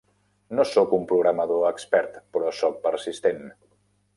No soc un programador expert, però soc persistent.